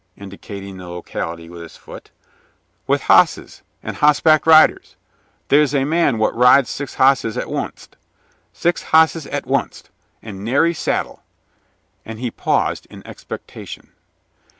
indicating the locality with his foot "with hosses, and hossback riders. They is a man wot rides six hosses to onct six hosses to onct and nary saddle" and he paused in expectation.